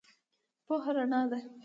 پوهه رنا ده.